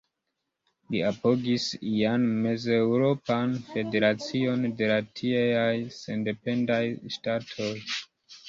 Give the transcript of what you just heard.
Li apogis ian Mez-Eŭropan Federacion de la tieaj sendependaj ŝtatoj.